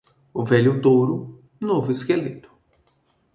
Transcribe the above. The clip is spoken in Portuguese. O velho touro, novo esqueleto.